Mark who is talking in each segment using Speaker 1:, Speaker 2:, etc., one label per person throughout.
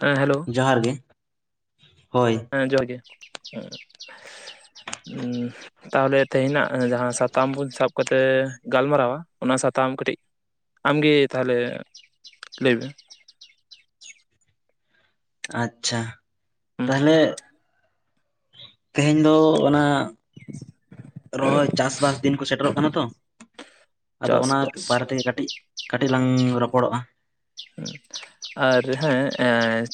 Speaker 1: ᱦᱮᱸ ᱦᱮᱞᱳᱣ
Speaker 2: ᱡᱚᱦᱟᱨ ᱜᱮ ᱦᱚᱭ
Speaker 1: ᱦᱮᱸ ᱡᱚᱦᱟᱨ ᱜᱮ ᱩᱸ ᱛᱟᱦᱚᱞᱮ ᱛᱮᱦᱮᱧᱟᱜ ᱡᱟᱦᱟᱸ ᱥᱟᱛᱟᱢ ᱵᱚᱱ ᱥᱟᱵ ᱠᱟᱛᱮ ᱜᱟᱞᱢᱟᱨᱟᱣᱟ ᱚᱱᱟ ᱥᱟᱛᱟᱢ ᱠᱟᱹᱴᱤᱡᱼᱼ ᱟᱢᱜᱮ ᱛᱟᱦᱚᱞᱮ ᱞᱟᱹᱭ ᱢᱮ
Speaker 2: ᱟᱪᱪᱷᱟ ᱛᱟᱦᱚᱞᱮ ᱛᱮᱦᱮᱧ ᱫᱚ ᱚᱱᱟᱼᱼ ᱨᱚᱦᱚᱭ ᱪᱟᱥᱼᱵᱟᱥ ᱫᱤᱱ ᱠᱚ ᱥᱮᱴᱮᱨᱚᱜ ᱠᱟᱱᱟ ᱛᱚ ᱟᱫᱚ ᱚᱱᱟ
Speaker 1: ᱪᱟᱥᱵᱟᱥ
Speaker 2: ᱵᱟᱨᱮ ᱛᱮᱜᱮ ᱠᱟᱹᱴᱤᱡ ᱠᱟᱹᱴᱤᱡ ᱞᱟᱝ ᱨᱚᱯᱚᱲᱚᱜᱼᱟ
Speaker 1: ᱟᱨ ᱦᱮᱸ ᱮᱸ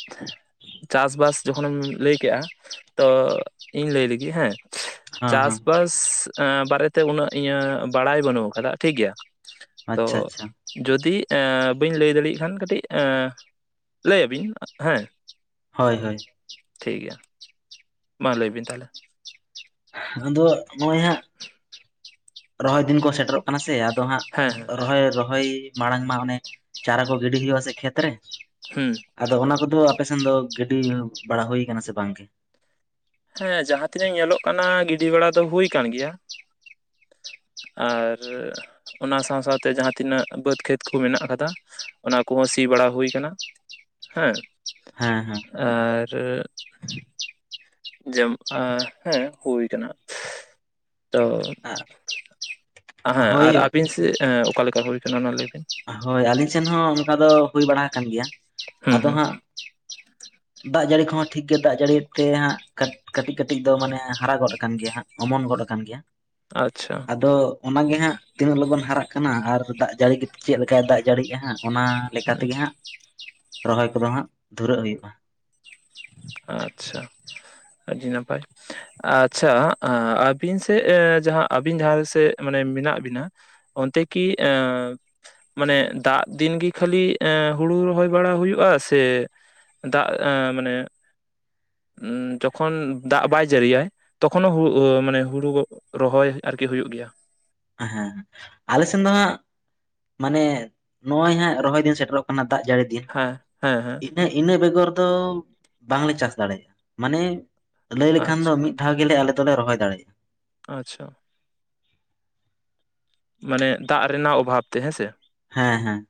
Speaker 1: ᱪᱟᱥᱵᱟᱥᱼᱼ ᱡᱚᱠᱷᱚᱱᱮᱢ ᱞᱟᱹᱭ ᱠᱮᱜᱼᱟ ᱛᱚ ᱤᱧ ᱞᱟᱹᱭ ᱞᱟᱹᱜᱤᱫ ᱦᱮᱸ
Speaker 2: ᱦᱮᱸ ᱦᱮᱸ
Speaker 1: ᱪᱟᱥᱼᱵᱟᱥᱼᱼ [inaudible] ᱵᱟᱨᱮᱛᱮ ᱩᱱᱟᱹᱜ ᱤᱧᱟᱜ ᱵᱟᱲᱟᱭ ᱵᱟᱹᱱᱩᱜ ᱠᱟᱫᱟ ᱴᱷᱤᱠ ᱜᱮᱭᱟ ᱛᱚᱼᱼ
Speaker 2: ᱟᱪᱪᱷᱟ ᱟᱪᱪᱷᱟ
Speaker 1: ᱡᱩᱫᱤ ᱮ ᱵᱟᱹᱧ ᱞᱟᱹᱭ ᱫᱟᱲᱮᱭᱟᱜ ᱠᱷᱟᱱ ᱠᱟᱹᱴᱤᱡ ᱞᱟᱹᱭᱟᱵᱤᱱ ᱦᱮᱸ᱾
Speaker 2: ᱦᱚᱭ ᱦᱚᱭ
Speaker 1: ᱴᱷᱤᱠᱜᱮᱭᱟ ᱢᱟ ᱞᱟᱹᱭ ᱵᱤᱱ ᱛᱟᱦᱞᱮ
Speaker 2: ᱟᱫᱚ ᱱᱚᱭ ᱦᱟᱸᱜ ᱨᱚᱦᱚᱭ ᱫᱤᱱ ᱠᱚ ᱥᱮᱴᱮᱨᱚᱜ ᱠᱟᱱᱟ ᱥᱮ ᱛᱚ ᱦᱟᱸᱜ
Speaker 1: ᱦᱮᱸ ᱦᱮᱸ
Speaker 2: ᱨᱚᱦᱚᱭ ᱨᱚᱦᱚᱭ ᱢᱟᱲᱟᱝ ᱢᱟ ᱚᱱᱮ ᱪᱟᱨᱟ ᱠᱚ ᱜᱤᱰᱤ ᱦᱩᱭᱩᱜ-ᱟ ᱥᱮ ᱠᱷᱮᱛ ᱨᱮ
Speaker 1: ᱦᱩᱸ
Speaker 2: ᱟᱫᱚ ᱚᱱᱟ ᱠᱚᱫᱚ ᱟᱯᱮᱥᱱ ᱫᱚ ᱜᱤᱰᱤ ᱵᱟᱲᱟ ᱦᱩᱭ ᱠᱟᱱᱟ ᱥᱮ ᱵᱟᱝ ᱜᱮ?
Speaker 1: ᱦᱮᱸ ᱡᱟᱦᱟᱸ ᱛᱤᱱᱟᱹᱜ ᱧᱮᱞᱚᱜ ᱠᱟᱱᱟ ᱜᱤᱰᱤ ᱵᱟᱲᱟ ᱫᱚ ᱦᱩᱭ ᱠᱟᱱ ᱜᱮᱭᱟ, ᱟᱨ ᱚᱱᱟ ᱥᱟᱶ ᱥᱟᱶᱛᱮ ᱡᱟᱦᱟᱸ ᱛᱱᱟᱹᱜ ᱵᱟᱹᱫᱽ ᱠᱷᱮᱛ ᱠᱚ ᱢᱮᱱᱟᱜ ᱟᱠᱟᱫᱟ ᱚᱱᱟ ᱠᱚᱦᱚᱸ ᱥᱤ ᱵᱟᱲᱟ ᱦᱩᱭ ᱠᱟᱱᱟ, ᱦᱮᱸ
Speaker 2: ᱦᱮᱸ ᱦᱮᱸ
Speaker 1: ᱟᱨ ᱡᱮ ᱟ ᱦᱮᱸ ᱦᱩᱭ ᱠᱟᱱᱟ᱾ ᱛᱚ ᱦᱮᱸ
Speaker 2: ᱦᱳᱭ
Speaker 1: ᱟᱨ ᱟᱹᱵᱤᱱ ᱛᱮᱜ ᱚᱠᱟ ᱞᱮᱠᱟ ᱦᱩᱭ ᱠᱟᱱᱟ ᱚᱱᱟ ᱞᱟᱹᱭ ᱵᱤᱱ?
Speaker 2: ᱦᱳᱭ ᱟᱹᱞᱤᱧ ᱥᱮᱱ ᱦᱚᱸ ᱚᱱᱠᱟ ᱫᱚ ᱦᱩᱭ ᱵᱟᱲᱟ ᱦᱟᱠᱟᱱ
Speaker 1: ᱦᱩᱸ
Speaker 2: ᱜᱮᱭᱟ᱾ᱟᱫᱚ
Speaker 1: ᱦᱩᱸ
Speaker 2: ᱦᱟᱸᱜ
Speaker 1: [inaudible]
Speaker 2: ᱫᱟᱜ ᱡᱟᱹᱲᱤ ᱠᱚᱦᱚᱸ ᱴᱷᱤᱠ ᱜᱮ ᱫᱟᱜ ᱡᱟᱹᱲᱤ ᱭᱮᱛ ᱛᱮ ᱦᱟᱸᱜ ᱠᱟ ᱠᱟᱹᱴᱤᱡ ᱫᱚ ᱢᱟᱱᱮ ᱦᱟᱨᱟ ᱜᱚᱫ ᱟᱠᱟᱱ ᱜᱮᱭᱟ ᱦᱟᱸᱜ, ᱚᱢᱚᱱ ᱜᱚᱫ ᱟᱠᱟᱱ ᱜᱮᱭᱟ᱾
Speaker 1: ᱟᱪᱪᱷᱟ
Speaker 2: ᱟᱫᱚ ᱚᱱᱟᱜᱮ ᱦᱟᱸᱜ ᱛᱤᱱᱟᱹᱜ ᱞᱚᱜᱚᱱ ᱦᱟᱨᱟᱜ ᱠᱟᱱᱟ ᱟᱨ ᱫᱟᱜ ᱡᱟᱹᱲᱤ ᱜᱮᱛ ᱪᱮᱫ ᱞᱮᱠᱟᱭ ᱫᱟᱜ ᱡᱟᱹᱲᱤᱜ-ᱟ ᱦᱟᱸᱜ ᱚᱱᱟ ᱞᱮᱠᱟ
Speaker 1: ᱦᱩᱸ
Speaker 2: ᱛᱮᱜᱮ ᱦᱟᱸᱜ ᱨᱚᱦᱚᱭ ᱠᱚᱫᱚ ᱦᱟᱸᱜ ᱫᱷᱩᱨᱟᱹᱜ ᱦᱩᱭᱩᱜ-ᱟ᱾
Speaker 1: ᱟᱪᱪᱷᱟ ᱟᱹᱰᱤ ᱱᱟᱯᱟᱭ᱾ ᱟᱪᱪᱷᱟ ᱟᱹᱵᱤᱱ ᱥᱮᱜ ᱡᱟᱦᱟᱸ ᱟᱹᱵᱤᱱ ᱡᱟᱦᱟᱸ ᱥᱮᱫ ᱢᱟᱱᱮ ᱢᱮᱱᱟᱜ ᱵᱤᱱᱟ ᱚᱱᱛᱮ ᱠᱤ ᱮᱸᱻ ᱢᱟᱱᱮ ᱫᱟᱜ ᱫᱤᱱ ᱜᱮ ᱠᱷᱟᱹᱞᱤ ᱮ ᱦᱩᱲᱩ ᱨᱚᱦᱚᱭ ᱵᱟᱲᱟ ᱦᱩᱭᱩᱜ-ᱟ ᱥᱮ ᱫᱟᱜ ᱢᱟᱱᱮ ᱡᱚᱠᱷᱚᱱ ᱫᱟᱜ ᱵᱟᱭ ᱡᱟᱹᱨᱤᱭᱟᱭ ᱛᱚᱠᱷᱚᱱᱳ ᱦᱩ ᱢᱟᱱᱮ ᱦᱩᱲᱩ ᱨᱚᱦᱚᱭ ᱟᱨᱠᱤ ᱦᱩᱭᱩᱜ ᱜᱮᱭᱟ?
Speaker 2: ᱦᱮᱸ ᱟᱞᱮ ᱥᱮᱱ ᱫᱚ ᱦᱟᱸᱜ ᱢᱟᱱᱮ ᱱᱚᱜ ᱚᱭ ᱦᱟᱸᱜ ᱨᱚᱦᱚᱭ ᱫᱤᱱ ᱥᱮᱴᱮᱨᱚᱜ ᱠᱟᱱᱟ ᱫᱟᱜ ᱡᱟᱹᱲᱤ
Speaker 1: ᱦᱮᱸ ᱦᱮᱸ ᱦᱮᱸ
Speaker 2: ᱦᱮᱸ ᱤᱱᱟᱹ ᱵᱮᱜᱚᱨ ᱫᱚ ᱵᱟᱝᱞᱮ ᱪᱟᱥ ᱫᱟᱲᱮᱭᱟᱜ-ᱟ ᱢᱟᱱᱮ ᱞᱟᱹᱭ ᱞᱮᱠᱷᱟᱱ ᱫᱚ
Speaker 1: ᱟᱪᱪᱷᱟ
Speaker 2: ᱢᱤᱫ ᱴᱷᱟᱣ ᱜᱮᱞᱮ ᱟᱞᱮ ᱫᱚ ᱞᱮ ᱨᱚᱦᱚᱭ ᱫᱟᱲᱭᱟᱜ-ᱟ᱾
Speaker 1: ᱟᱪᱷᱟ ᱢᱟᱱᱮ ᱫᱟᱜ ᱨᱮᱱᱟᱜ ᱚᱵᱷᱟᱵᱽ ᱛᱮ ᱦᱮᱸ ᱥᱮ
Speaker 2: ᱦᱮᱸ ᱦᱮᱸ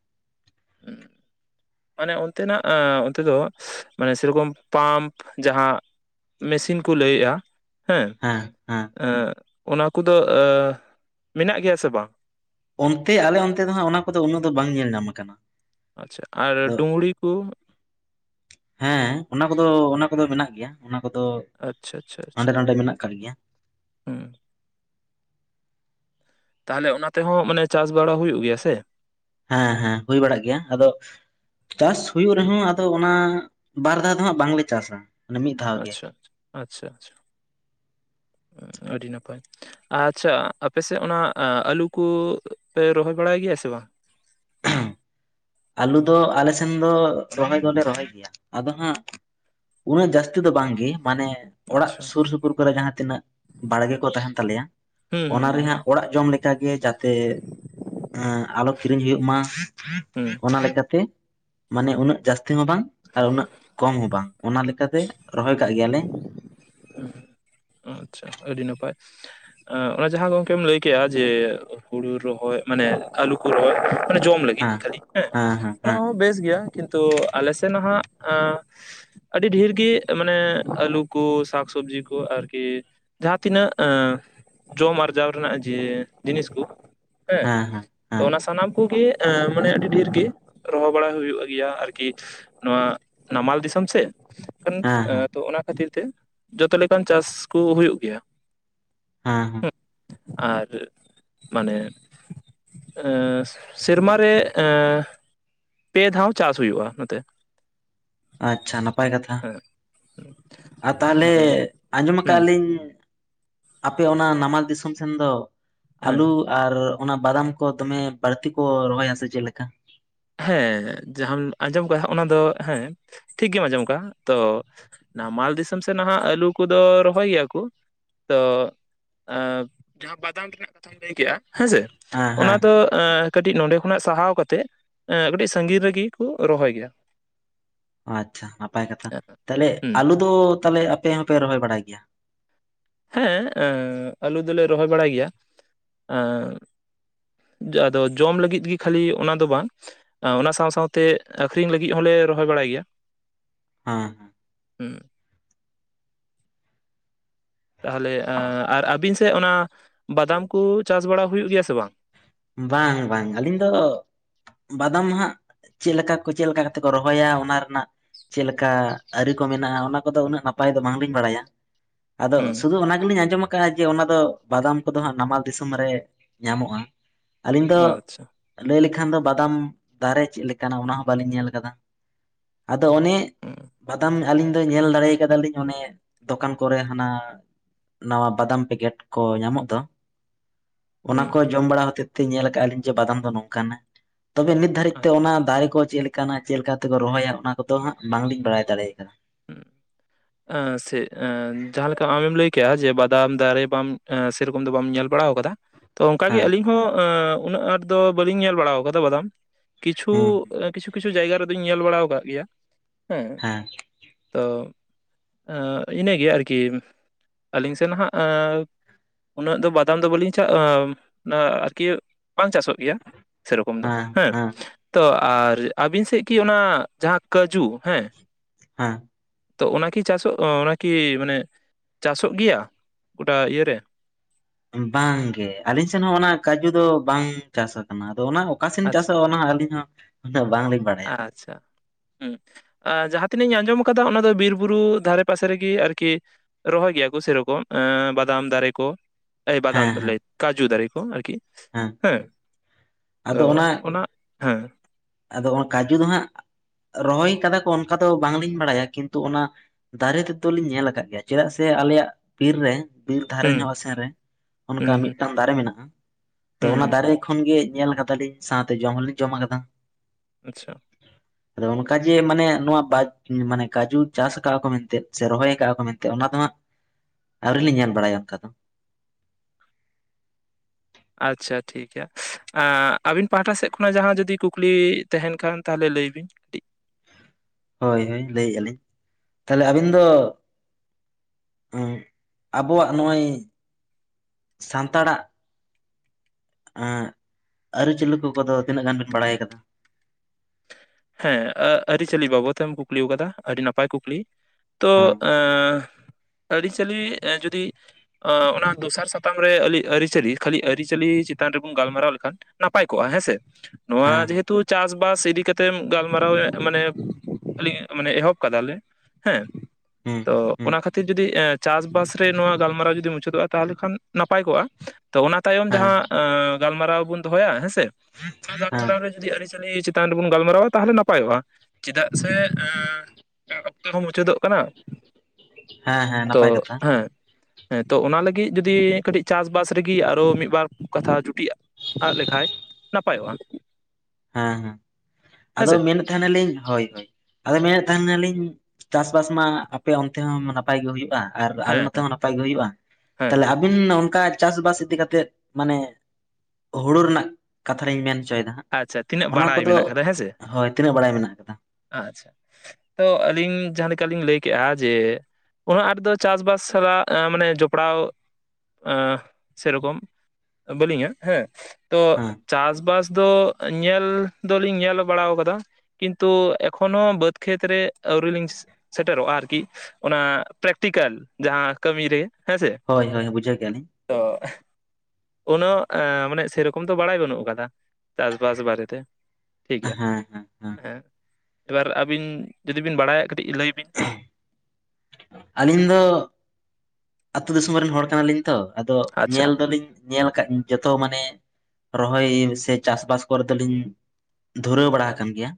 Speaker 1: ᱢᱟᱱᱮ ᱚᱱᱛᱮᱱᱟᱜ ᱚᱱᱛᱮ ᱫᱚ ᱢᱟᱱᱮ ᱥᱮᱨᱚᱠᱚᱢ ᱯᱟᱢᱯ ᱡᱟᱦᱟᱸ ᱢᱮᱥᱤᱱ ᱠᱚ ᱞᱟᱹᱭᱮ-ᱟ ᱦᱮᱸ
Speaker 2: ᱦᱮᱸ ᱦᱮᱸ
Speaker 1: ᱮᱸᱻ ᱚᱱᱟ ᱠᱩᱫᱚ ᱮᱸ ᱢᱮᱱᱟᱜ ᱜᱮᱭᱟ ᱥᱮ ᱵᱟᱝ?
Speaker 2: ᱚᱱᱛᱮ ᱟᱞᱮ ᱚᱱᱛᱮ ᱫᱚ ᱦᱟᱜ ᱚᱱᱟ ᱠᱚᱫᱚ ᱩᱱᱟᱹᱜ ᱫᱚ ᱵᱟᱝ ᱧᱮᱞ ᱧᱟᱢ ᱟᱠᱟᱱᱟ᱾
Speaker 1: ᱟᱪᱪᱷᱟ ᱟᱨ
Speaker 2: ᱟᱫᱚ
Speaker 1: ᱰᱩᱝᱲᱤ ᱠᱩ?
Speaker 2: ᱦᱮᱸ ᱚᱱᱟ ᱠᱚᱫᱚ ᱚᱱᱟ ᱠᱚᱫᱚ ᱢᱮᱱᱟᱜ ᱜᱮᱭᱟ ᱚᱱᱟ ᱠᱚᱫᱚ
Speaker 1: ᱟᱪᱪᱷᱟ ᱟᱪᱪᱷᱟ
Speaker 2: ᱦᱟᱸᱰᱮ
Speaker 1: ᱟᱪᱪᱷᱟ
Speaker 2: ᱱᱟᱰᱮ ᱢᱮᱱᱟᱜ ᱠᱟᱫ ᱜᱮᱭᱟ᱾
Speaker 1: ᱦᱩᱸ ᱛᱟᱦᱚᱞᱮ ᱚᱱᱟ ᱛᱮᱦᱚᱸ ᱢᱟᱱᱮ ᱪᱟᱥ ᱵᱟᱲᱟ ᱦᱩᱭᱩᱜ ᱜᱮᱭᱟ ᱥᱮ?
Speaker 2: ᱦᱮᱸ ᱦᱮᱸ ᱦᱩᱭ ᱵᱟᱲᱟᱜ ᱜᱮᱭᱟ ᱟᱫᱚ ᱪᱟᱥ ᱦᱩᱭᱩᱜ ᱨᱮᱦᱚᱸ ᱟᱫᱚ ᱚᱱᱟ ᱵᱟᱨ ᱫᱷᱟᱣ ᱫᱚ ᱦᱟᱜ ᱵᱟᱝᱞᱮ ᱪᱟᱥᱟ᱾ ᱢᱟᱱᱮ ᱢᱤᱫ ᱫᱷᱟᱣ ᱜᱮ
Speaker 1: ᱟᱪᱪᱷᱟ ᱪᱷᱟ ᱟᱪᱪᱷᱟ ᱟᱪᱪᱷᱟ ᱟᱹᱰᱤ ᱱᱟᱯᱟᱭ᱾ ᱟᱪᱪᱷᱟ ᱟᱯᱮᱥᱮᱜ ᱚᱱᱟ ᱟᱹᱞᱩ ᱠᱚ ᱯᱮ ᱨᱚᱦᱚᱭ ᱵᱟᱲᱟᱭ ᱜᱮᱭᱟ ᱥᱮ ᱵᱟᱝ?
Speaker 2: ᱟᱞᱩ ᱫᱚ ᱟᱞᱮ ᱥᱮᱱ ᱫᱚ ᱨᱚᱦᱚᱭ ᱫᱚᱞᱮ ᱨᱚᱦᱚᱭ ᱜᱮᱭᱟ ᱟᱫᱚ ᱦᱟᱸᱜ, ᱩᱱᱟᱹᱜ ᱡᱟᱹᱥᱛᱤ ᱫᱚ ᱵᱟᱝ ᱜᱮ ᱢᱟᱱᱮ ᱚᱲᱟᱜ
Speaker 1: ᱟᱪᱪᱷᱟ
Speaker 2: ᱥᱩᱨ ᱥᱩᱯᱩᱨ ᱠᱚᱨᱮ ᱡᱟᱦᱟᱸ ᱛᱤᱱᱟᱹᱜ ᱵᱟᱲᱜᱮ ᱠᱚ ᱛᱟᱦᱮᱱ ᱛᱟᱞᱮᱭᱟ,
Speaker 1: ᱦᱩᱸ ᱦᱩᱸ
Speaker 2: ᱚᱱᱟᱨᱮᱦᱟᱸᱜ ᱚᱲᱟᱜ ᱡᱚᱢ ᱞᱮᱠᱟᱜᱮ ᱡᱟᱛᱮᱜ ᱮᱸ ᱟᱞᱚ ᱠᱤᱨᱤᱧ ᱦᱩᱭᱩᱜ ᱢᱟ᱾
Speaker 1: ᱦᱩᱸ
Speaker 2: ᱚᱱᱟ ᱞᱮᱠᱟᱛᱮ, ᱢᱟᱱᱮ ᱩᱱᱟᱹᱜ ᱡᱟᱹᱥᱛᱤ ᱦᱚᱸ ᱵᱟᱝ ᱟᱨ ᱩᱱᱟᱹᱜ ᱠᱚᱢ ᱦᱚᱸ ᱵᱟᱝ ᱚᱱᱟ ᱞᱮᱠᱟᱛᱮ ᱨᱚᱦᱚᱭ ᱠᱟᱜ ᱜᱮᱭᱟᱞᱮ᱾
Speaker 1: ᱩᱸ ᱟᱪᱪᱷᱟ ᱟᱹᱰᱤ ᱱᱟᱯᱟᱭ᱾ ᱮᱸ ᱚᱱᱟ ᱡᱟᱸᱦᱟ ᱜᱚᱝᱠᱮᱢ ᱞᱟᱹᱭ ᱠᱮᱜᱼᱟ ᱡᱮ ᱦᱩᱲᱩ ᱨᱚᱦᱚᱭ ᱢᱟᱱᱮ ᱟᱞᱩ ᱠᱚ ᱨᱚᱦᱚᱭ, ᱢᱟᱱᱮ ᱡᱚᱢ ᱞᱟᱹᱜᱤᱫ
Speaker 2: ᱦᱮᱸ
Speaker 1: ᱠᱷᱟᱹᱞᱤ ᱦᱮᱸ ᱚᱱᱟ ᱦᱚᱸ ᱵᱮᱥ ᱜᱮᱭᱟ᱾ ᱠᱤᱱᱛᱩ ᱟᱞᱮᱥᱮᱱ ᱦᱟᱸᱜ ᱟᱹᱰᱤ ᱰᱷᱮᱨ ᱜᱤ ᱢᱟᱱᱮ ᱟᱹᱞᱩ ᱠᱩ, ᱥᱟᱠ ᱥᱚᱵᱡᱤ ᱠᱩ ᱟᱨᱠᱤ ᱡᱟᱦᱟ ᱛᱤᱱᱟᱹᱜ ᱮᱸ ᱡᱚᱢ ᱟᱨᱡᱟᱣ ᱨᱮᱱᱟᱜ ᱡᱮ ᱡᱤᱱᱤᱥ ᱠᱩ ᱦᱮᱸ, ᱛᱚ ᱚᱱᱟ ᱥᱟᱱᱟᱢ ᱠᱩᱜᱤ ᱮᱸ ᱢᱟᱱᱮ ᱟᱹᱰᱤ ᱰᱷᱤᱨ ᱜᱤ ᱨᱚᱦᱚᱭ ᱵᱟᱲᱟ ᱦᱩᱭᱩᱜ ᱜᱮᱭᱟ ᱟᱨᱠᱤ, ᱱᱚᱣᱟ ᱱᱟᱢᱟᱞ ᱫᱤᱥᱚᱢ ᱥᱮᱜ ᱛᱚ ᱮᱸ
Speaker 2: ᱦᱮᱸ ᱦᱮᱸ
Speaker 1: ᱚᱱᱟ ᱠᱷᱟᱹᱛᱤᱨ ᱛᱮ ᱡᱚᱛᱚ ᱞᱮᱠᱟᱱ ᱪᱟᱥ ᱠᱚ ᱦᱩᱭᱩᱜ ᱜᱮᱭᱟ᱾
Speaker 2: ᱦᱮᱸ ᱦᱮᱸ,
Speaker 1: ᱟᱨ ᱢᱟᱱᱮ, ᱮᱸ ᱥᱮᱨᱢᱟᱨᱮ ᱮᱸ, ᱯᱮ ᱫᱷᱟᱣ ᱪᱟᱥ ᱦᱩᱭᱩᱜᱼᱟ ᱱᱚᱛᱮ᱾
Speaker 2: ᱟᱪᱪᱷᱟ ᱱᱟᱯᱟᱭ ᱠᱟᱛᱷᱟ
Speaker 1: ᱦᱮᱸ
Speaker 2: ᱟᱨ ᱛᱟᱦᱚᱞᱮ
Speaker 1: ᱦᱮᱸ
Speaker 2: ᱟᱸᱡᱚᱢ ᱟᱠᱟᱜᱼᱟ ᱞᱤᱧ, ᱟᱯᱮ ᱚᱱᱟ ᱱᱟᱢᱟᱞ ᱫᱤᱥᱚᱢ ᱥᱮᱱ ᱫᱚ
Speaker 1: ᱦᱮᱸ
Speaker 2: ᱟᱞᱩ, ᱟᱨ ᱚᱱᱟ ᱵᱟᱫᱟᱢ ᱠᱚ ᱫᱚᱢᱮ ᱵᱟᱹᱲᱛᱤ ᱠᱚ ᱨᱚᱦᱚᱭᱟ ᱥᱮ ᱪᱮᱫ ᱞᱮᱠᱟ?
Speaker 1: ᱦᱮᱸ ᱡᱟᱦᱟᱢ ᱟᱸᱡᱚᱢ ᱠᱟᱜ ᱚᱱᱟ ᱫᱚ ᱦᱮᱸ ᱴᱷᱤᱠ ᱜᱮᱢ ᱟᱸᱡᱚᱢ ᱠᱟᱜᱼᱟ ᱛᱚ, ᱱᱟᱢᱟᱞ ᱫᱤᱥᱚᱢ ᱥᱮᱜ ᱱᱟᱦᱟᱜ ᱟᱹᱞᱩ ᱠᱚᱫᱚ ᱨᱚᱦᱚᱭ ᱜᱮᱭᱟ ᱠᱩ ᱛᱚ, ᱮᱸ ᱡᱟᱸᱦᱟ ᱵᱟᱫᱟᱢ ᱨᱮᱱᱟᱜ ᱠᱟᱛᱷᱟᱢ ᱞᱟᱹᱭ ᱠᱮᱜᱼᱟ ᱦᱮᱸ ᱥᱮ,
Speaker 2: ᱦᱮᱸ
Speaker 1: ᱚᱱᱟ
Speaker 2: ᱦᱮᱸ
Speaker 1: ᱫᱚ
Speaker 2: ᱦᱮᱸ
Speaker 1: ᱮᱸ ᱠᱟᱹᱴᱤᱜ ᱱᱚᱰᱮ ᱠᱷᱚᱱᱟᱜ ᱥᱟᱦᱟᱣ ᱠᱟᱛᱮᱜ, ᱮᱸ ᱠᱟᱹᱴᱤᱜ ᱥᱟᱺᱜᱤᱧ ᱨᱮᱜᱤ ᱠᱩ ᱨᱚᱦᱚᱭ ᱜᱮᱭᱟ᱾
Speaker 2: ᱟᱪᱪᱷᱟ ᱱᱟᱯᱟᱭ ᱠᱟᱛᱷᱟ ᱛᱟᱦᱚᱞᱮ
Speaker 1: ᱦᱩᱸ
Speaker 2: ᱟᱞᱩ ᱫᱚ ᱛᱟᱦᱚᱞᱮ ᱟᱯᱮ ᱦᱚᱸᱯᱮ ᱨᱚᱦᱚᱭ ᱵᱟᱲᱟᱭ ᱜᱮᱭᱟ?
Speaker 1: ᱦᱮᱸ ᱟᱸ ᱟᱹᱞᱩ ᱫᱚᱞᱮ ᱨᱚᱦᱚᱭ ᱵᱟᱲᱟᱭ ᱜᱮᱭᱟ ᱮᱸ, ᱟᱫᱚ ᱡᱚᱢ ᱞᱟᱹᱜᱤᱫ ᱛᱮᱜᱤ ᱠᱷᱟᱹᱞᱤ ᱚᱱᱟ ᱫᱚ ᱵᱟᱝ, ᱚᱱᱟ ᱥᱟᱶ ᱥᱟᱶᱛᱮ ᱟᱹᱠᱷᱨᱤᱧ ᱞᱟᱹᱜᱤᱜ ᱦᱚᱸᱞᱮ ᱨᱚᱦᱚᱭ ᱵᱟᱲᱟᱭ ᱜᱮᱭᱟ᱾
Speaker 2: ᱦᱚᱸ
Speaker 1: ᱦᱩᱸ, ᱛᱟᱦᱚᱞᱮ ᱟᱸ ᱟᱨ ᱟᱹᱵᱤᱱ ᱥᱮᱜ ᱚᱱᱟ ᱵᱟᱫᱟᱢ ᱠᱩ ᱪᱟᱥ ᱵᱟᱲᱟ ᱦᱩᱭᱩᱜ ᱜᱮᱭᱟ ᱥᱮ ᱵᱟᱝ?
Speaker 2: ᱵᱟᱝ ᱵᱟᱝ ᱟᱹᱞᱤᱧ ᱫᱚ ᱵᱟᱫᱟᱢ ᱱᱟᱦᱟᱸᱜ ᱪᱮᱜ ᱞᱮᱠᱟ ᱠᱚ ᱪᱮᱫ ᱞᱮᱠᱟ ᱠᱟᱛᱮ ᱠᱚ ᱨᱚᱦᱚᱭᱟ ᱚᱱᱟ ᱨᱮᱱᱟᱜ, ᱪᱮᱜ ᱞᱮᱠᱟ ᱟᱹᱨᱤ ᱠᱚ ᱢᱮᱱᱟᱜᱼᱟ ᱚᱱᱟ ᱠᱚᱫᱚ ᱩᱱᱟᱹᱜ ᱱᱟᱯᱟᱭ ᱫᱚ ᱵᱟᱝᱞᱤᱧ ᱵᱟᱲᱟᱭᱟ᱾ ᱟᱫᱚ
Speaker 1: ᱦᱩᱸ
Speaker 2: ᱥᱩᱫᱷᱩ ᱚᱱᱟ ᱜᱮᱞᱤᱧ ᱟᱸᱡᱚᱢᱟ, ᱠᱟᱜᱼᱟ ᱡᱮ ᱚᱱᱟ ᱫᱚ ᱵᱟᱫᱟᱢ ᱠᱚᱫᱚ ᱦᱟᱸᱜ ᱱᱟᱢᱟᱞ ᱫᱤᱥᱚᱢ ᱨᱮ ᱧᱟᱢᱚᱜᱼᱟ᱾ ᱟᱹᱞᱤᱧ ᱫᱚ
Speaker 1: ᱟᱪᱪᱷᱟ
Speaker 2: ᱞᱟᱹᱭ ᱞᱮᱠᱷᱟᱱ ᱫᱚ ᱵᱟᱫᱟᱢ ᱫᱟᱨᱮ ᱪᱮᱫ ᱞᱮᱠᱟᱱᱟ ᱚᱱᱟ ᱦᱚᱸ ᱵᱟᱞᱤᱧ ᱧᱮᱞ ᱟᱠᱟᱫᱟ᱾ ᱟᱫᱚ ᱚᱱᱮ
Speaker 1: ᱦᱩᱸ
Speaker 2: ᱵᱟᱫᱟᱢ, ᱟᱞᱤᱧ ᱫᱚ ᱧᱮᱞ ᱫᱟᱲᱮ ᱠᱟᱫᱟᱞᱤᱧ ᱚᱱᱮ ᱫᱚᱠᱟᱱ ᱠᱚᱨᱮ ᱦᱟᱱᱟ, ᱱᱟᱣᱟ ᱵᱟᱫᱟᱢ ᱯᱮᱠᱮᱴ ᱠᱚ ᱧᱟᱢᱚᱜ ᱫᱚ ᱚᱱᱟ
Speaker 1: ᱦᱩᱸ
Speaker 2: ᱠᱚ ᱡᱚᱢ ᱵᱟᱲᱟ ᱦᱚᱛᱮᱡ ᱛᱮ ᱧᱮᱞ ᱠᱟᱜᱼᱟ ᱞᱤᱧ ᱡᱮ ᱵᱟᱫᱟᱢ ᱫᱚ ᱱᱚᱝᱠᱟᱱᱟ ᱛᱚᱵᱮ ᱱᱤᱛ ᱫᱷᱟᱹᱨᱤᱡ ᱛᱮ ᱚᱱᱟ ᱫᱟᱨᱮ ᱠᱚ ᱪᱮᱜ ᱞᱮᱠᱟᱱᱟ ᱪᱮᱜᱞᱮᱠᱟ ᱟᱛᱮ ᱠᱚ ᱨᱚᱦᱚᱭᱟ ᱚᱱᱟ ᱠᱚᱫᱚ ᱦᱟᱸᱜ ᱵᱟᱝᱞᱤᱧ ᱵᱟᱲᱟᱭ ᱫᱟᱲᱮ ᱠᱟᱫᱟ
Speaker 1: ᱦᱩᱸ ᱮᱸ ᱥᱮ ᱮᱸ ᱡᱟᱦᱟ ᱞᱮᱠᱟ ᱟᱢᱮᱢ ᱞᱟᱹᱭ ᱠᱮᱜᱼᱟ ᱡᱮ ᱵᱟᱫᱟᱢ ᱫᱟᱨᱮ ᱵᱟᱢ ᱥᱮᱨᱚᱠᱚᱢ ᱫᱚ ᱵᱟᱢ ᱧᱮᱞ ᱵᱟᱲᱟᱣ ᱠᱟᱫᱟ ᱛᱚ ᱚᱱᱠᱟ ᱜᱮ
Speaker 2: ᱦᱮᱸ
Speaker 1: ᱟᱹᱞᱤᱧ ᱦᱚᱸ ᱮᱸ ᱩᱱᱟᱹᱜ ᱟᱸᱴ ᱫᱚ ᱵᱟᱹᱞᱤᱧ ᱧᱮᱞ ᱵᱟᱲᱟᱣ ᱠᱟᱫᱟ ᱵᱟᱫᱟᱢ ᱠᱤᱪᱷᱩ
Speaker 2: ᱦᱮᱸ
Speaker 1: ᱠᱤᱪᱷᱩ ᱠᱤᱪᱷᱩ ᱡᱟᱭᱜᱟ ᱨᱮᱫᱚᱧ ᱧᱮᱞ ᱵᱟᱲᱟᱣ ᱠᱟᱜ ᱜᱮᱭᱟ ᱦᱮᱸ ᱛᱚ ᱟᱸᱜ ᱤᱱᱟᱹᱜᱮ ᱟᱨᱠᱤ ᱟᱹᱞᱤᱧ ᱥᱮᱱ ᱦᱟᱸᱜ ᱮᱸᱻ ᱩᱱᱟᱹᱜ ᱫᱚ ᱵᱟᱫᱟᱢ ᱫᱚ ᱵᱟᱹᱞᱤᱧ ᱪᱟ ᱟᱨᱠᱤ ᱤᱭᱟᱹ ᱵᱟᱝ ᱪᱟᱥᱚᱜ ᱜᱮᱭᱟ ᱥᱮᱨᱚᱠᱚᱢ ᱫᱚ ᱦᱮᱸ ᱛᱚ ᱟᱨ ᱟᱹᱵᱤᱱ ᱥᱮᱜ ᱠᱤ ᱚᱱᱟ ᱡᱟᱦᱟ ᱠᱟᱹᱡᱩ ᱦᱮᱸ
Speaker 2: ᱦᱮᱸ
Speaker 1: ᱛᱚ ᱚᱱᱟ ᱠᱤ ᱪᱟᱥᱚᱜ ᱚᱱᱟ ᱠᱤ ᱢᱟᱱᱮ ᱪᱟᱥᱚᱜ ᱜᱮᱭᱟ ᱜᱚᱴᱟ ᱤᱭᱟᱹᱨᱮ
Speaker 2: ᱵᱟᱝᱜᱮ ᱟᱹᱞᱤᱧ ᱥᱮᱱ ᱦᱚᱸ ᱚᱱᱟ ᱠᱟᱹᱡᱩ ᱫᱚ ᱵᱟᱝ ᱪᱟᱥ ᱟᱠᱟᱱᱟ ᱟᱫᱚ ᱚᱱᱟ ᱚᱠᱟᱥᱮᱱ
Speaker 1: ᱟᱪᱪᱷᱟ
Speaker 2: ᱪᱟᱥᱚᱜᱼᱟ ᱚᱱᱟ ᱟᱹᱞᱤᱧ ᱦᱚᱸ ᱩᱱᱟᱹᱜ ᱵᱟᱝᱞᱤᱧ ᱵᱟᱲᱟᱭᱟ
Speaker 1: ᱟᱪᱪᱷᱟ ᱟᱨ ᱡᱟᱦᱟᱸ ᱛᱤᱱᱟᱹᱜ ᱤᱧ ᱟᱸᱡᱚᱢ ᱠᱟᱫᱟ ᱚᱱᱟ ᱫᱚ ᱵᱤᱨ ᱵᱩᱨᱩ ᱫᱷᱟᱨᱮ ᱯᱟᱥᱮ ᱨᱮᱜᱮ ᱟᱨᱠᱤ ᱨᱚᱦᱚᱭ ᱜᱮᱭᱟ ᱠᱚ ᱥᱮᱨᱚᱠᱚᱢ ᱮᱸ ᱵᱟᱫᱟᱢ ᱫᱟᱨᱮ ᱠᱚ ᱮᱭ ᱵᱟᱫᱟᱢ
Speaker 2: ᱦᱮᱸ ᱦᱮᱸ
Speaker 1: ᱞᱟᱹᱭ ᱠᱟᱡᱩ ᱫᱟᱨᱮ ᱠᱚ ᱟᱨᱠᱤ ᱦᱮᱸ ᱛᱚ ᱚᱱᱟ ᱦᱮᱸ
Speaker 2: ᱟᱫᱚ ᱚᱱᱟ ᱠᱟᱡᱩ ᱫᱚ ᱦᱟᱸᱜ ᱨᱚᱦᱚᱭ ᱠᱟᱫᱟ ᱠᱚ ᱚᱱᱠᱟ ᱫᱚ ᱵᱟᱝᱞᱤᱧ ᱵᱟᱲᱟᱭᱟ ᱠᱤᱱᱛᱩ ᱚᱱᱟ ᱫᱟᱨᱮ ᱛᱮᱫ ᱫᱚᱞᱤᱧ ᱧᱮᱞ ᱟᱠᱟᱫ ᱜᱮᱭᱟ ᱪᱮᱫᱟᱜ ᱥᱮ ᱟᱞᱮᱭᱟᱜ ᱵᱤᱨ ᱨᱮ ᱵᱤᱨ ᱫᱷᱟᱨᱮ
Speaker 1: ᱦᱩᱸ
Speaker 2: ᱧᱚᱜ ᱥᱮᱱ ᱨᱮ ᱚᱱᱠᱟ
Speaker 1: ᱦᱩᱸ ᱦᱩᱸ
Speaker 2: ᱢᱤᱫᱴᱟᱝ ᱫᱟᱨᱮ ᱢᱮᱱᱟᱜᱼᱟ ᱛᱚ
Speaker 1: ᱦᱩᱸ
Speaker 2: ᱚᱱᱟ
Speaker 1: ᱦᱩᱸ
Speaker 2: ᱫᱟᱨᱮ ᱠᱷᱚᱱ ᱜᱮ ᱧᱮᱞ ᱠᱟᱫᱟᱞᱤᱧ ᱥᱟᱶᱛᱮ ᱡᱚᱢ ᱦᱚᱸᱞᱤᱧ ᱡᱚᱢ ᱟᱠᱟᱫᱟ
Speaker 1: ᱟᱪᱪᱷᱟ
Speaker 2: ᱟᱫᱚ ᱚᱱᱠᱟ ᱡᱮ ᱢᱟᱱᱮ ᱱᱚᱣᱟ ᱵᱟ ᱢᱟᱱᱮ ᱠᱟᱡᱩ ᱪᱟᱥ ᱟᱠᱟᱜᱼᱟᱠᱚ ᱢᱮᱱᱛᱮ ᱥᱮ ᱨᱚᱦᱚᱭ ᱟᱠᱟᱜᱼᱟᱠᱚ ᱢᱮᱱᱛᱮ ᱚᱱᱟ ᱫᱚ ᱦᱟᱸᱜ ᱟᱹᱣᱨᱤ ᱞᱤᱧ ᱧᱮᱞ ᱵᱟᱲᱟᱭᱟ ᱚᱱᱠᱟ ᱫᱚ
Speaker 1: ᱟᱪᱪᱷᱟ ᱴᱷᱤᱠ ᱜᱮᱭᱟ ᱮᱸᱜ ᱟᱹᱵᱤᱱ ᱯᱟᱦᱴᱟ ᱥᱮᱫ ᱠᱷᱚᱱᱟᱜ ᱡᱟᱦᱟᱸ ᱡᱩᱫᱤ ᱠᱩᱠᱞᱤ ᱛᱟᱦᱮᱱ ᱠᱷᱟᱱ ᱛᱟᱦᱚᱞᱮ ᱞᱟᱹᱭ ᱵᱤᱱ ᱠᱟᱹᱴᱤᱡ?
Speaker 2: ᱦᱳᱭ ᱦᱳᱭ ᱞᱟᱹᱭᱮᱜᱼᱟᱞᱤᱧ ᱛᱟᱦᱚᱞᱮ ᱟᱹᱵᱤᱱ ᱫᱚ ᱟᱵᱚᱣᱟᱜ ᱱᱚᱜᱼᱚᱭ ᱥᱟᱱᱛᱟᱲᱟᱜ ᱮᱸᱜ ᱟᱹᱨᱤᱪᱟᱹᱞᱤ ᱠᱚ ᱠᱚᱫᱚ ᱛᱤᱱᱟᱹᱜ ᱜᱟᱱ ᱵᱮᱱ ᱵᱟᱲᱟᱭ ᱟᱠᱟᱫᱟ?
Speaker 1: ᱦᱮᱸ ᱟᱹᱨᱤᱪᱟᱹᱞᱤ ᱵᱟᱵᱚᱫ ᱛᱮᱢ ᱠᱩᱠᱞᱤ ᱟᱠᱟᱫᱟ ᱟᱹᱰᱤ ᱱᱟᱯᱟᱭ ᱠᱩᱠᱞᱤ
Speaker 2: ᱦᱮᱸ
Speaker 1: ᱛᱚ ᱮᱸ ᱟᱹᱨᱤᱪᱟᱹᱞᱤ ᱡᱩᱫᱤ ᱚᱱᱟ ᱫᱚᱥᱟᱨ ᱥᱟᱯ ᱪᱮᱛᱟᱱ ᱨᱮ ᱟᱹᱞᱤ ᱟᱹᱨᱤᱪᱟᱹᱞᱤ ᱠᱷᱟᱹᱞᱤ ᱟᱹᱨᱤᱪᱟᱹᱞᱤ ᱪᱮᱛᱟᱱ ᱨᱮ ᱵᱚᱱ ᱜᱟᱞᱢᱟᱨᱟᱣ ᱞᱮᱠᱷᱟᱱ ᱱᱟᱯᱟᱭ ᱠᱚᱜᱼᱟ ᱦᱮᱸ ᱥᱮ ᱱᱚᱣᱟ
Speaker 2: ᱦᱮᱸ
Speaker 1: ᱡᱮᱦᱮᱛᱩ ᱪᱟᱥ ᱵᱟᱥ ᱤᱫᱤ ᱠᱟᱛᱮ ᱛᱮᱢ ᱜᱟᱞᱢᱟᱨᱟᱣᱮᱫ ᱢᱟᱱᱮ ᱢᱟᱱᱮ ᱮᱦᱚᱵ ᱠᱟᱫᱟᱞᱮ ᱦᱮᱸ
Speaker 2: ᱦᱮᱸ
Speaker 1: ᱛᱚ
Speaker 2: ᱦᱮᱸ
Speaker 1: ᱚᱱᱟ ᱠᱷᱟᱹᱛᱤᱨ ᱡᱩᱫᱤ ᱮᱸ ᱪᱟᱥᱵᱟᱥ ᱨᱮ ᱱᱚᱣᱟ ᱜᱟᱞᱢᱟᱨᱟᱣ ᱡᱩᱫᱤ ᱢᱩᱪᱟᱹᱫᱚᱜᱼᱟ ᱛᱟᱦᱚᱞᱮ ᱠᱷᱟᱱ ᱱᱟᱯᱟᱭ ᱠᱚᱜᱼᱟ ᱛᱚ ᱚᱱᱟ ᱛᱟᱭᱚᱢ
Speaker 2: ᱦᱮᱸ
Speaker 1: ᱡᱟᱦᱟᱸ ᱮᱸ ᱜᱟᱞᱢᱟᱨᱟᱣ ᱵᱚᱱ ᱫᱚᱦᱚᱭᱟ ᱦᱮᱸᱥᱮ ᱚᱱᱟ
Speaker 2: ᱦᱮᱸ
Speaker 1: ᱜᱟᱞᱢᱟᱨᱟᱣ ᱨᱮ ᱡᱩᱫᱤ ᱟᱹᱨᱤᱪᱟᱞᱤ ᱪᱮᱛᱟᱱ ᱨᱮᱵᱚᱱ ᱜᱟᱞᱢᱟᱨᱟᱣᱟ ᱛᱟᱦᱚᱞᱮ ᱱᱟᱯᱟᱭᱚᱜᱼᱟ ᱪᱮᱫᱟᱜ ᱥᱮ ᱚᱠᱛᱚ ᱦᱚᱸ ᱢᱩᱪᱟᱹᱫᱚᱜ ᱠᱟᱱᱟ
Speaker 2: ᱦᱮᱸ ᱦᱮᱸ ᱱᱟᱯᱟᱭ
Speaker 1: ᱛᱚ
Speaker 2: ᱠᱟᱛᱷᱟ
Speaker 1: ᱦᱮᱸ ᱦᱮᱸ ᱛᱚ ᱚᱱᱟ ᱞᱟᱹᱜᱤᱫ ᱡᱩᱫᱤ ᱠᱟᱹᱴᱤᱡ ᱪᱟᱥᱵᱟᱥ ᱨᱮᱜᱮ ᱟᱨᱚ ᱢᱤᱫᱵᱟᱨ ᱠᱟᱛᱷᱟ ᱡᱩᱴᱤᱜᱼᱟ ᱟᱫ ᱞᱮᱠᱷᱟᱡ ᱱᱟᱯᱟᱭᱚᱜᱼᱟ
Speaker 2: ᱦᱟᱸ ᱦᱟᱸ ᱟᱫᱚ
Speaker 1: ᱦᱮᱸᱥᱮ
Speaker 2: ᱢᱮᱱᱮ ᱛᱟᱦᱮᱱᱟᱞᱤᱧ ᱦᱳᱭ ᱦᱳᱭ ᱟᱫᱚ ᱢᱮᱱᱮ ᱛᱟᱦᱮᱱᱟᱞᱤᱧ ᱪᱟᱥᱵᱟᱥ ᱢᱟ ᱟᱯᱮ ᱚᱱᱛᱮ ᱦᱚᱸ ᱱᱟᱯᱟᱭ ᱜᱮ ᱦᱩᱭᱩᱜᱼᱟ ᱾ ᱟᱨ ᱟᱞᱮ
Speaker 1: ᱦᱮᱸ
Speaker 2: ᱱᱚᱛᱮ
Speaker 1: ᱦᱮᱸ
Speaker 2: ᱦᱚᱸ ᱱᱟᱯᱟᱭ ᱜᱮ ᱦᱩᱭᱩᱜᱼᱟ
Speaker 1: ᱦᱮᱸ
Speaker 2: ᱛᱟᱦᱞᱮ
Speaker 1: ᱦᱮᱸ
Speaker 2: ᱟᱹᱵᱤᱱ ᱚᱱᱠᱟ ᱪᱟᱥ ᱵᱟᱥ ᱤᱫᱤ ᱠᱟᱛᱮᱫ ᱢᱟᱱᱮ ᱦᱩᱲᱩ ᱨᱮᱱᱟᱜ ᱠᱟᱛᱷᱟ ᱞᱤᱧ ᱢᱮᱱ ᱦᱚᱪᱚᱭᱮᱫᱟ ᱦᱟᱸᱜ ᱾
Speaker 1: ᱟᱪᱪᱷᱟ ᱛᱤᱱᱟᱹᱜ ᱵᱟᱲᱟᱭ ᱢᱮᱱᱟᱜ ᱠᱟᱫᱟ ᱦᱮᱸᱥᱮ
Speaker 2: ᱛᱤᱱᱟᱹᱜ ᱵᱟᱲᱟᱭ ᱢᱮᱱᱟᱜ ᱟᱠᱟᱫᱟ
Speaker 1: ᱟᱪᱪᱷᱟ ᱾ ᱛᱚ ᱟᱹᱞᱤᱧ ᱡᱟᱦᱟᱸ ᱞᱮᱠᱟᱞᱤᱧ ᱞᱟᱹᱭ ᱠᱮᱜᱼᱟ ᱡᱮ ᱚᱲᱟᱜ ᱨᱮᱫᱚ ᱪᱟᱥᱵᱟᱥ ᱥᱟᱞᱟᱜ ᱢᱟᱱᱮ ᱡᱚᱯᱲᱟᱣ ᱟᱨ ᱥᱮᱨᱚᱠᱚᱢ ᱵᱟᱞᱤᱧᱟ ᱦᱮᱸ ᱛᱚ
Speaker 2: ᱦᱮᱸ
Speaker 1: ᱪᱟᱥᱵᱟᱥᱼᱼ ᱫᱚ ᱧᱮᱞ ᱫᱚᱞᱤᱧ ᱧᱮᱞ ᱵᱟᱲᱟ ᱟᱠᱟᱫᱟ ᱾ ᱠᱤᱱᱛᱩ ᱮᱠᱷᱚᱱᱳ ᱵᱟᱹᱫᱽ ᱠᱷᱮᱛ ᱨᱮ ᱟᱹᱣᱨᱤ ᱥᱤᱝ ᱥᱮᱴᱮᱨᱚᱜᱼᱟ ᱟᱨᱠᱤ ᱚᱱᱟ ᱯᱨᱮᱠᱴᱤᱠᱮᱞ ᱡᱟᱦᱟᱸ ᱠᱟᱹᱢᱤ ᱨᱮ ᱦᱮᱸ ᱥᱮ ᱾
Speaker 2: ᱦᱳᱭ ᱦᱳᱭ ᱵᱩᱡᱷᱟᱹᱣ ᱠᱮᱜᱼᱟ ᱞᱤᱧ ᱾
Speaker 1: ᱛᱚ ᱩᱱᱟᱹᱜ ᱢᱟᱱᱮ ᱥᱮᱨᱚᱠᱚᱢ ᱛᱚ ᱵᱟᱲᱟᱭ ᱵᱟᱹᱱᱩᱜ ᱟᱠᱟᱫᱟ ᱾ ᱾ ᱪᱟᱥᱵᱟᱥ ᱵᱟᱨᱮ ᱛᱮ ᱴᱷᱤᱠ
Speaker 2: ᱦᱮᱸ
Speaker 1: ᱜᱮᱭᱟ
Speaker 2: ᱦᱮᱸ
Speaker 1: ᱾ ᱦᱮᱸ ᱮᱵᱟᱨ ᱟᱹᱵᱤᱱ ᱡᱩᱫᱤ ᱵᱤᱱ ᱵᱟᱲᱟᱭᱟ ᱠᱟᱹᱴᱤᱡ ᱞᱟᱹᱭ ᱵᱤᱱ ᱾
Speaker 2: ᱟᱹᱞᱤᱧ ᱫᱚ ᱟᱛᱩ ᱫᱤᱥᱚᱢ ᱨᱮᱱ ᱦᱚᱲ ᱠᱟᱱᱟᱞᱤᱧ ᱛᱚ ᱟᱫᱚ
Speaker 1: ᱟᱪᱪᱷᱟ
Speaker 2: ᱧᱮᱞ ᱫᱟᱞᱤᱧ ᱧᱮᱞ ᱟᱠᱟᱜ ᱡᱚᱛᱚ ᱢᱟᱱᱮ ᱨᱚᱦᱚᱭ ᱥᱮ ᱪᱟᱥᱵᱟᱥ ᱠᱚᱨᱮ ᱫᱚᱞᱤᱧᱼᱼ ᱫᱷᱩᱨᱟᱹᱣ ᱵᱟᱲᱟ ᱟᱠᱟᱱ ᱜᱮᱭᱟ,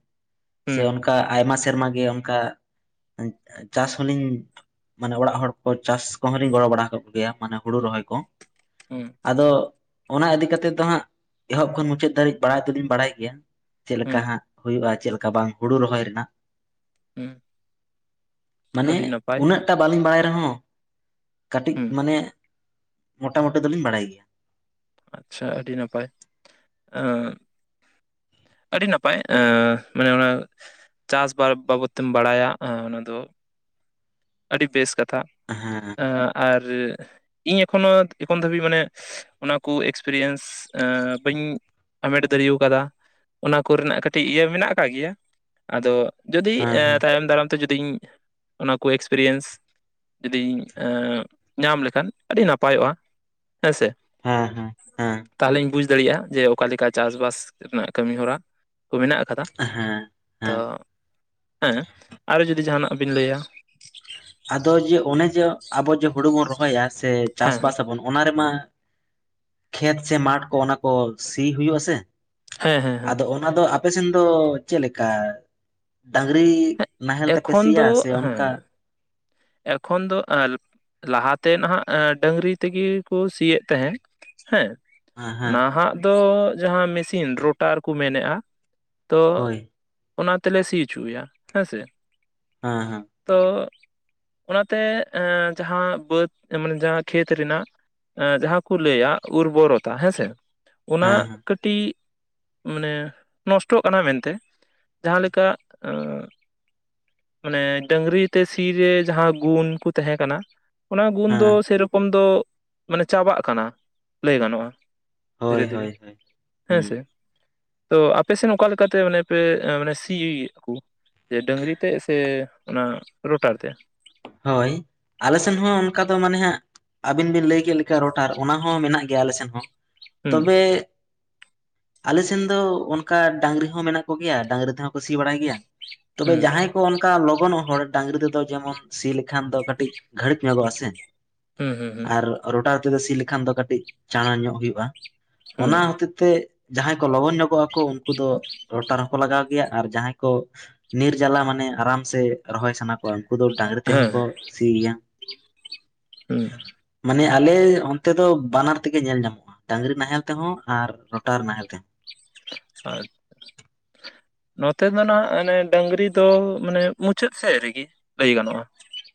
Speaker 2: ᱥᱮ
Speaker 1: ᱦᱩᱸ
Speaker 2: ᱚᱱᱠᱟ ᱟᱭᱢᱟ ᱥᱮᱨᱢᱟ ᱜᱮ ᱚᱱᱠᱟ ᱪᱟᱥ ᱦᱚᱞᱤᱧ ᱢᱟᱱᱮ ᱚᱲᱟᱜ ᱦᱚᱲ ᱠᱚ ᱪᱟᱥ ᱠᱚᱦᱚᱸᱤᱧ ᱜᱚᱲᱚ ᱵᱟᱲᱟ ᱠᱮᱜᱮᱭᱟ ᱢᱟᱱᱮ ᱦᱩᱲᱩ ᱨᱚᱦᱚᱭ ᱠᱚ ᱾
Speaker 1: ᱦᱩᱸ
Speaker 2: ᱟᱫᱚ ᱚᱱᱟ ᱤᱫᱤ ᱠᱟᱛᱮ ᱫᱚ ᱦᱟᱸᱜ ᱮᱦᱚᱵ ᱠᱷᱚᱱ ᱢᱩᱪᱟᱹᱫ ᱫᱷᱟᱹᱨᱤᱡ ᱵᱟᱲᱟᱭ ᱛᱩᱧ ᱵᱟᱲᱟᱭ ᱜᱮᱭᱟ ᱾ ᱪᱮᱫ ᱞᱮᱠᱟ
Speaker 1: ᱦᱩᱸ
Speaker 2: ᱦᱟᱸᱜ ᱦᱩᱭᱩᱜᱼᱟ ᱪᱮᱫ ᱞᱮᱠᱟ ᱵᱟᱝ, ᱦᱩᱲᱩ ᱨᱚᱦᱚᱭ ᱨᱮᱱᱟᱜ ᱾
Speaker 1: ᱦᱮᱸ
Speaker 2: ᱢᱟᱱᱮ ᱩᱱᱟᱹᱜᱴᱟ ᱵᱟᱞᱤᱧ ᱵᱟᱲᱟᱭ ᱨᱮᱦᱚᱸᱼᱼ ᱠᱟᱹᱴᱤᱡ
Speaker 1: ᱦᱩᱸ
Speaker 2: ᱢᱟᱱᱮ ᱢᱚᱴᱟ ᱢᱩᱴᱤ ᱫᱚᱞᱤᱧ ᱵᱟᱲᱟᱭ ᱜᱮᱭᱟ ᱾
Speaker 1: ᱟᱪᱪᱷᱟ ᱟᱹᱰᱤ ᱱᱟᱯᱟᱭ ᱾ ᱟᱹᱰᱤ ᱱᱟᱯᱟᱭ ᱮᱸᱻ ᱢᱟᱱᱮ ᱚᱱᱟ ᱪᱟᱥ ᱵᱟᱵᱚᱛ ᱛᱮᱢ ᱵᱟᱲᱟᱭᱟ ᱚᱱᱟ ᱫᱚᱼᱼ ᱟᱹᱰᱤ ᱵᱮᱥ ᱠᱟᱛᱷᱟ ᱾
Speaker 2: ᱦᱮᱸ
Speaker 1: ᱟᱨ ᱤᱧ ᱮᱠᱷᱚᱱᱳ ᱮᱠᱷᱚᱱ ᱫᱷᱟᱹᱵᱤᱡ ᱢᱟᱱᱮᱼᱼ ᱚᱱᱟ ᱠᱚ ᱮᱠᱥᱯᱮᱨᱤᱭᱮᱱᱥ ᱵᱟᱹᱧ ᱦᱟᱢᱮᱴ ᱫᱟᱲᱮ ᱟᱠᱟᱫᱟ ᱾ ᱚᱱᱟ ᱠᱚᱨᱮᱱᱟᱜ ᱠᱟᱹᱴᱤᱡ ᱤᱭᱟᱹ ᱢᱮᱱᱟᱜ ᱟᱠᱟᱫ ᱜᱮᱭᱟ ᱟᱫᱚ ᱡᱩᱫᱤ
Speaker 2: ᱦᱮᱸ ᱦᱮᱸ
Speaker 1: ᱛᱟᱭᱚᱢ ᱫᱟᱨᱟᱢ ᱛᱮᱼᱼ ᱡᱩᱫᱤᱧ ᱚᱱᱟ ᱠᱚ ᱮᱠᱥᱯᱮᱨᱤᱭᱮᱱᱥ ᱡᱩᱫᱤᱧ ᱧᱟᱢ ᱞᱮᱠᱷᱟᱱ ᱟᱹᱰᱤ ᱱᱟᱯᱟᱭᱚᱜᱼᱟ ᱾ ᱦᱮᱸᱥᱮ
Speaker 2: ᱦᱮᱸ ᱦᱮᱸ ᱦᱮᱸ
Speaker 1: ᱛᱟᱦᱚᱞᱮᱧ ᱵᱩᱡᱽ ᱫᱟᱲᱮᱭᱟᱜᱼᱟ ᱾ ᱡᱮ ᱚᱠᱟ ᱞᱮᱠᱟ ᱪᱟᱥ ᱵᱟᱥ ᱨᱮᱱᱟᱜ ᱠᱟᱹᱢᱤ ᱦᱚᱨᱟ ᱠᱚ ᱢᱮᱱᱟᱜ ᱟᱠᱟᱫᱟ ᱾
Speaker 2: ᱦᱮᱸ
Speaker 1: ᱛᱚ
Speaker 2: ᱦᱮᱸ
Speaker 1: ᱦᱮᱸ ᱟᱨᱚ ᱡᱩᱫᱤ ᱡᱟᱦᱟᱱᱟᱜ ᱵᱤᱱ ᱞᱟᱹᱭᱟ ᱾
Speaker 2: ᱟᱫᱚ ᱡᱮ ᱚᱱᱮ ᱡᱮ ᱟᱵᱚ ᱡᱮ ᱦᱩᱲᱩ ᱵᱚᱱ ᱨᱚᱦᱚᱭᱟ ᱥᱮ
Speaker 1: ᱦᱮᱸ ᱦᱮᱸ
Speaker 2: ᱪᱟᱥᱼᱵᱟᱥ ᱟᱵᱚᱱᱼᱼ ᱚᱱᱟ ᱨᱮᱢᱟ ᱠᱷᱮᱛ ᱥᱮ ᱢᱟᱴ ᱠᱚ ᱚᱱᱟ ᱠᱚ ᱥᱤ ᱦᱩᱭᱩᱜᱼᱟ ᱥᱮᱼᱼ
Speaker 1: ᱦᱮᱸ ᱦᱮᱸ ᱦᱮᱸ
Speaker 2: ᱟᱫᱚ ᱚᱱᱟ ᱫᱚ ᱟᱯᱮ ᱥᱮᱱ ᱫᱚ ᱪᱮᱫ ᱞᱮᱠᱟ ᱰᱟᱹᱝᱨᱤᱼ
Speaker 1: ᱦᱮᱸ,
Speaker 2: ᱼ ᱱᱟᱦᱮᱞ ᱛᱮᱯᱮ
Speaker 1: ᱮᱠᱷᱚᱱ
Speaker 2: ᱥᱤᱭᱟ
Speaker 1: ᱫᱚ
Speaker 2: ᱥᱮ ᱚᱱᱠᱟᱼᱼ
Speaker 1: ᱦᱮᱸ ᱮᱠᱷᱚᱱ ᱫᱚ ᱟᱨ ᱞᱟᱦᱟᱛᱮ ᱱᱟᱸᱜ ᱰᱟᱹᱝᱨᱤ ᱛᱮᱜᱮ ᱠᱚ ᱥᱤᱭᱮᱫ ᱛᱟᱸᱦᱮᱱ ᱾ ᱦᱮᱸ
Speaker 2: ᱦᱮᱸ ᱦᱮᱸ
Speaker 1: ᱱᱟᱦᱟᱸᱜ ᱫᱚ ᱡᱟᱦᱟᱸ ᱢᱤᱥᱤᱱ ᱨᱳᱴᱟᱨ ᱠᱚ ᱢᱮᱱᱮᱫᱼᱟ ᱛᱚᱼᱼ
Speaker 2: ᱦᱳᱭ
Speaker 1: ᱚᱱᱟ ᱛᱮᱞᱮ ᱥᱤ ᱚᱪᱚᱭᱟ ᱦᱮᱸ ᱥᱮ ᱾
Speaker 2: ᱦᱮᱸ ᱦᱮᱸ ᱾
Speaker 1: ᱛᱚᱼᱼ ᱚᱱᱟᱛᱮ ᱮᱸᱡᱟᱦᱟᱸ ᱵᱟᱹᱫᱽ ᱮᱢᱚᱱᱤ ᱡᱟᱦᱟᱸ ᱠᱷᱮᱛ ᱨᱮᱱᱟᱜ ᱡᱟᱦᱟᱸ ᱠᱚ ᱞᱟᱹᱭᱟ ᱩᱨᱵᱚᱨᱚᱛᱟ ᱦᱮᱸᱥᱮ, ᱚᱱᱟ
Speaker 2: ᱦᱮᱸ ᱦᱮᱸ
Speaker 1: ᱠᱟᱹᱴ ᱼᱴᱤᱡ ᱢᱟᱱᱮ ᱱᱚᱥᱴᱚᱜ ᱠᱟᱱᱟ ᱢᱮᱱᱛᱮ ᱾ ᱡᱟᱦᱟᱸᱞᱮᱠᱟ ᱢᱟᱱᱮ ᱰᱟᱺᱝᱨᱤ ᱛᱮ ᱥᱤ ᱨᱮ ᱡᱟᱦᱟᱸ ᱜᱩᱱ ᱠᱚ ᱛᱟᱦᱮᱸ ᱠᱟᱱᱟ ᱚᱱᱟ ᱜᱩᱱ ᱫᱚ
Speaker 2: ᱦᱮᱸ
Speaker 1: ᱥᱮᱨᱚᱠᱚᱢ ᱫᱚ ᱢᱟᱱᱮ ᱪᱟᱵᱟᱜ ᱠᱟᱱᱟ ᱞᱟᱹᱭ ᱜᱟᱱᱚᱜᱼᱟ
Speaker 2: ᱦᱳᱭ
Speaker 1: ᱫᱷᱤᱨᱮ -ᱫᱷᱤᱨᱮ
Speaker 2: ᱦᱳᱭ ᱦᱳᱭ
Speaker 1: ᱦᱮᱸ
Speaker 2: ᱦᱩᱸ
Speaker 1: ᱥᱮ ᱾ ᱛᱚ ᱟᱯᱮᱥᱮᱱ ᱚᱠᱟ ᱞᱮᱠᱟᱛᱮ ᱢᱟᱱᱮ ᱯᱮ ᱥᱤ-ᱭᱮᱜ ᱠᱚ? ᱡᱮ ᱰᱟᱹᱝᱨᱤ ᱛᱮ ᱥᱮ ᱚᱱᱟ ᱨᱳᱴᱟᱨ ᱛᱮ?
Speaker 2: ᱦᱳᱭ, ᱟᱞᱮ ᱥᱮᱱ ᱦᱚᱸ ᱚᱱᱠᱟ ᱫᱚ ᱢᱟᱱᱮ ᱦᱟᱸᱜ ᱟᱹᱵᱤᱱ ᱵᱤᱱ ᱞᱟᱹᱭ ᱠᱮᱫ ᱞᱮᱠᱟ ᱨᱚᱴᱟᱨ ᱚᱱᱟ ᱦᱚᱸ ᱢᱮᱱᱟᱜ ᱜᱮᱭᱟ ᱟᱞᱮ ᱥᱮᱫ ᱦᱚᱸ
Speaker 1: ᱦᱩᱸ
Speaker 2: ᱛᱚᱵᱮ ᱟᱞᱮᱥᱮᱱ ᱫᱚ ᱚᱱᱠᱟ ᱰᱟᱹᱝᱨᱤ ᱦᱚᱸ ᱢᱮᱱᱟᱜ ᱠᱚᱜᱮᱭᱟ ᱰᱟᱹᱝᱨᱤ ᱛᱮᱦᱚᱸ ᱠᱚ ᱥᱤ ᱵᱟᱲᱟᱭ ᱜᱮᱭᱟ ᱾ ᱛᱚᱵᱮ
Speaker 1: ᱦᱩᱸ
Speaker 2: ᱡᱟᱦᱟᱸᱭ ᱠᱚ ᱚᱱᱠᱟ ᱞᱚᱜᱚᱱᱚᱜ ᱦᱚᱲ ᱰᱟᱹᱝᱨᱤ ᱛᱮᱫᱚ ᱡᱮᱢᱚᱱ ᱥᱤ ᱞᱮᱠᱷᱟᱱ ᱫᱚ ᱠᱟᱹᱴᱤᱡ ᱜᱷᱟᱹᱲᱤᱡ ᱧᱚᱜᱚᱜᱼᱟ ᱥᱮ
Speaker 1: ᱦᱩᱸ ᱦᱩᱸ ᱦᱩᱸ
Speaker 2: ᱟᱨ ᱨᱚᱴᱟᱨ ᱛᱮᱫᱚ ᱥᱤ ᱞᱮᱠᱷᱟᱱ ᱫᱚ ᱠᱟᱹᱴᱤᱡ ᱪᱟᱬᱟ ᱧᱚᱜ ᱦᱳᱭᱳᱜᱼᱟ
Speaker 1: ᱦᱩᱸ
Speaker 2: ᱚᱱᱟ ᱦᱚᱛᱮ ᱛᱮ ᱡᱟᱦᱟᱸᱭ ᱠᱚ ᱞᱚᱜᱚᱱ ᱧᱚᱜᱚᱜ ᱟᱠᱚ ᱩᱱᱠᱩ ᱫᱚ ᱨᱚᱴᱟᱨ ᱦᱚᱸᱠᱚ ᱞᱟᱜᱟᱣ- ᱟᱨ ᱡᱟᱦᱟᱸᱭ ᱠᱚ ᱱᱤᱨ ᱡᱟᱞᱟ ᱢᱟᱱᱮ ᱟᱨᱟᱢ ᱥᱮ ᱨᱚᱦᱚᱭ ᱥᱟᱱᱟ ᱠᱚᱣᱟ ᱩᱱᱠᱩ ᱫᱚ ᱰᱟᱹᱝᱨᱤ ᱛᱮᱦᱚᱸ ᱠᱚ ᱥᱤ ᱜᱮᱭᱟ ᱾
Speaker 1: ᱮᱻ
Speaker 2: ᱢᱟᱱᱮ, ᱟᱞᱮ ᱚᱱᱛᱮ ᱫᱚ ᱵᱟᱱᱟᱨ ᱛᱮᱜᱮ ᱧᱮᱞ ᱧᱟᱢᱚᱜᱼᱟ ᱾ ᱰᱟᱺᱝᱨᱤ ᱱᱟᱦᱮᱞ ᱛᱮᱦᱚᱸ ᱟᱨ ᱨᱚᱴᱟᱨ ᱱᱟᱦᱮᱞ ᱛᱮᱦᱚ ᱾
Speaker 1: ᱟᱪ-ᱪᱷᱟ ᱾ ᱱᱚᱛᱮ ᱫᱚ ᱱᱟᱦᱟᱸᱜ ᱢᱟᱱᱮ ᱰᱟᱹᱝᱨᱤ ᱫᱚ ᱢᱟᱱᱮ ᱢᱩᱪᱟᱹᱫ ᱥᱮᱫ ᱨᱮᱜᱮ ᱞᱟᱹᱭ ᱜᱟᱱᱚᱜᱼᱟ ᱾